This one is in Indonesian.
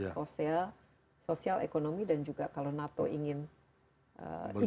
sosial ekonomi dan juga kalau nato ingin ikut